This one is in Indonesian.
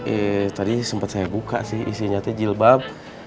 eh tadi sempat saya buka sih isinya itu jilbab